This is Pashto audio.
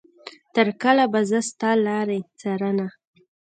تر کله به زه ستا لارې څارنه.